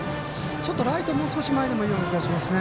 ちょっと、ライト、もう少し前でもいいような気がします。